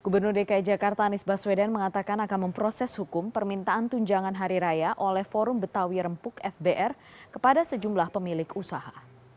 gubernur dki jakarta anies baswedan mengatakan akan memproses hukum permintaan tunjangan hari raya oleh forum betawi rempuk fbr kepada sejumlah pemilik usaha